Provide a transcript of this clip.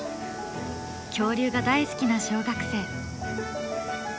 恐竜が大好きな小学生。